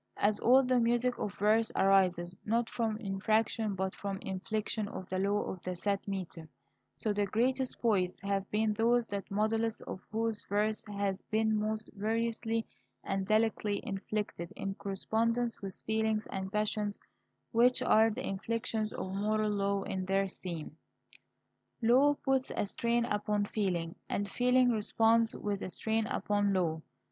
As all the music of verse arises, not from infraction but from inflection of the law of the set metre; so the greatest poets have been those the modulus of whose verse has been most variously and delicately inflected, in correspondence with feelings and passions which are the inflections of moral law in their theme. Law puts a strain upon feeling, and feeling responds with a strain upon law.